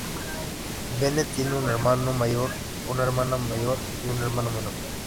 Bennett tiene un hermano mayor, una hermana mayor y un hermano menor.